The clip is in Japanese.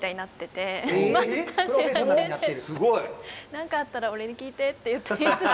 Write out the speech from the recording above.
何かあったら俺に聞いてっていつも。